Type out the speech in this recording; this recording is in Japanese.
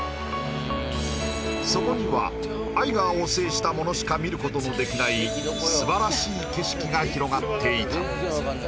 そこにはアイガーを制した者しか見ることのできない素晴らしい景色が広がっていた